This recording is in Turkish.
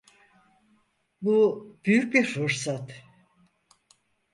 Bu büyük bir fırsat.